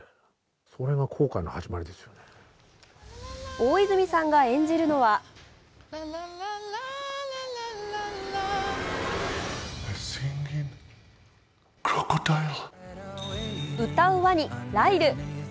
大泉さんが演じるのは歌うわに、ライル。